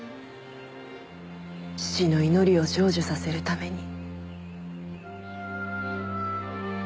父の祈りを成就させるために。